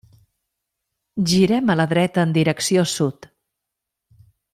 Girem a la dreta en direcció sud.